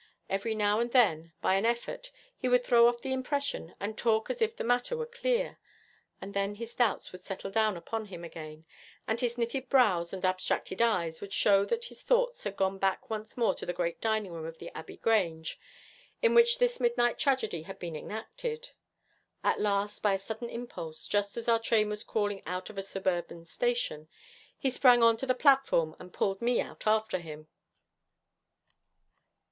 Every now and then, by an effort, he would throw off the impression, and talk as if the matter were clear, but then his doubts would settle down upon him again, and his knitted brows and abstracted eyes would show that his thoughts had gone back once more to the great dining room of the Abbey Grange, in which this midnight tragedy had been enacted. At last, by a sudden impulse, just as our train was crawling out of a suburban station, he sprang on to the platform and pulled me out after him.